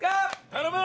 頼む！